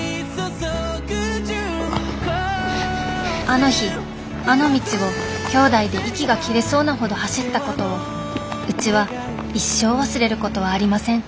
あの日あの道をきょうだいで息が切れそうなほど走ったことをうちは一生忘れることはありません。